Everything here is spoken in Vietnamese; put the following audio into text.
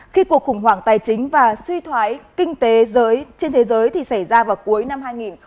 khi cuộc khủng hoảng tài chính và suy thoái kinh tế trên thế giới xảy ra vào cuối năm hai nghìn tám